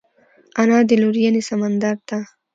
انا د لورینې سمندر ده